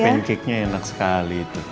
pancake nya enak sekali